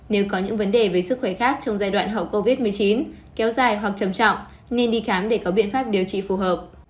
nếu có những vấn đề về sức khỏe khác trong giai đoạn hậu covid một mươi chín kéo dài hoặc trầm trọng nên đi khám để có biện pháp điều trị phù hợp